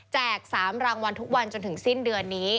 ๓รางวัลทุกวันจนถึงสิ้นเดือนนี้